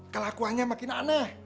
kelakuannya makin aneh